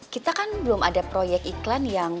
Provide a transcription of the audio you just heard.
kita kan belum ada proyek iklan yang